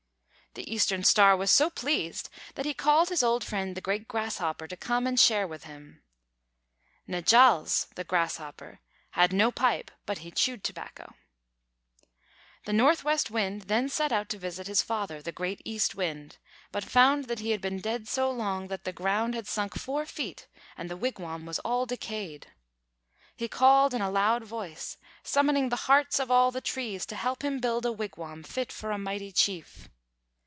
The Eastern Star was so pleased that he called his old friend the Great Grasshopper to come and share with him. "N'jāls," the Grasshopper, had no pipe but he chewed tobacco. The Northwest Wind then set out to visit his father, the great East Wind, but found that he had been dead so long that the ground had sunk four feet, and the wigwam was all decayed. He called in a loud voice, summoning the Hearts of All the Trees to help him build a wigwam fit for a mighty chief.